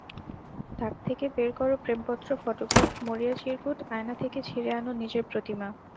তাক থেকে বের করো প্রেমপত্র, ফটোগ্রাফ, মরিয়া চিরকুট, আয়না থেকে ছিঁড়ে আনো নিজের প্রতিমা।